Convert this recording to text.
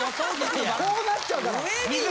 こうなっちゃうから。